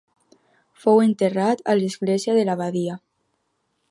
Fou enterrat a l'església de l'abadia.